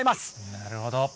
なるほど。